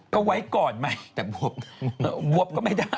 ก็ไว้ก่อนไหมแต่วบก็ไม่ได้